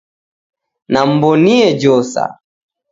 Namw'onie josa